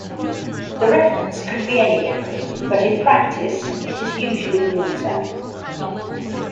The reference could be any liquid, but in practice it is usually water.